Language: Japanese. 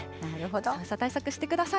寒さ対策してください。